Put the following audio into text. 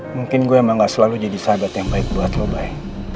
mungkin gue emang gak selalu jadi sahabat yang baik buat robai